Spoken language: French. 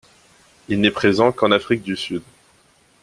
Il n'est présent qu'en Afrique du Sud.